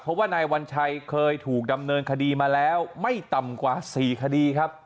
เพราะว่านายวัญชัยเคยถูกดำเนินคดีมาแล้วไม่ต่ำกว่า๔คดีครับ